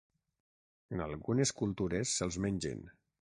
En algunes cultures se'ls mengen.